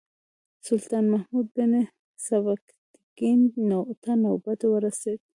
سلطان محمود بن سبکتګین ته نوبت ورسېد.